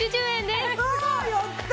すごい！やった！